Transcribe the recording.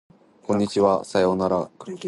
こんにちはさようなら